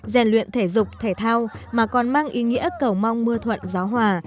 rèn luyện thể dục thể thao mà còn mang ý nghĩa cầu mong mưa thuận gió hòa